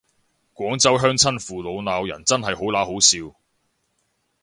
廣州鄉親父老鬧人真係好嗱好笑